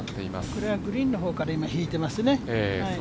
これはグリーンの方から引いてますね。